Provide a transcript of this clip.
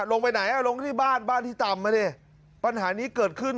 ลงไปไหนอ่ะลงที่บ้านบ้านที่ต่ำมาดิปัญหานี้เกิดขึ้น